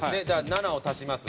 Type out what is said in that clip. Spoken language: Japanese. ７を足します